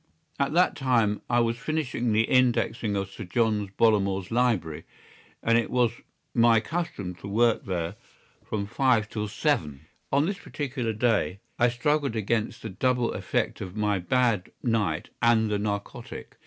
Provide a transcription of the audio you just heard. At that time I was finishing the indexing of Sir John Bollamore's library, and it was my custom to work there from five till seven. On this particular day I struggled against the double effect of my bad night and the narcotic.